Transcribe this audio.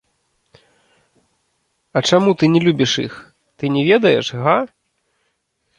А чаму ты не любіш іх, ты не ведаеш, га?